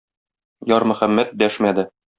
Ярмөхәммәт дәшмәде.